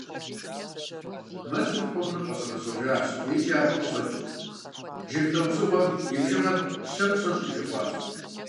Мэзыр хуэмурэ къэщӏэрэщӏэжащ, икӀи абы къыщыкӀ жыг лӀэужьыгъуэм и бжыгъэр щэрэ щэщӀым щӏигъуащ.